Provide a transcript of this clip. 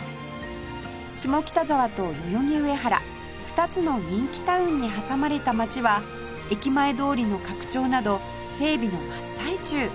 下北沢と代々木上原２つの人気タウンに挟まれた街は駅前通りの拡張など整備の真っ最中